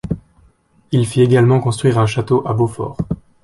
Il fit également construire un château à Beaufort.